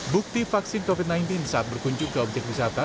bukti vaksin covid sembilan belas saat berkunjung ke objek wisata